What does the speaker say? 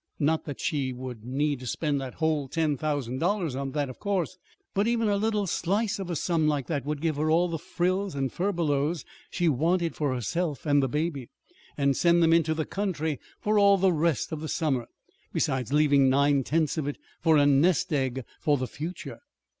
Not that she would need to spend the whole ten thousand dollars on that, of course. But even a little slice of a sum like that would give her all the frills and furbelows she wanted for herself and the baby, and send them into the country for all the rest of the summer, besides leaving nine tenths of it for a nest egg for the future.